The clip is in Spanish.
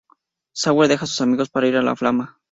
Sawyer deja a sus amigos para ir a la Flama.